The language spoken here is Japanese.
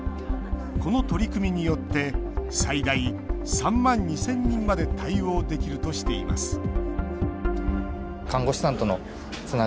この取り組みによって最大３万２０００人まで対応できるとしています